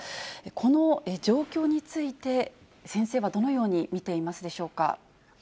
この状況について、先生はどのように見ていますでしょうか。